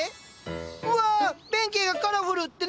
うわ弁慶がカラフル！って何があったの？